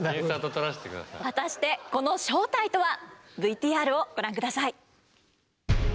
果たしてこの正体とは？ＶＴＲをご覧下さい！